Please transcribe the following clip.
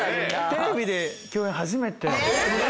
テレビで共演初めて。